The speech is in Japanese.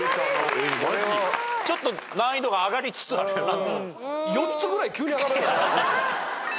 ちょっと難易度が上がりつつあるよな。